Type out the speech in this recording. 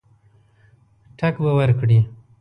ټګ به ورکړي.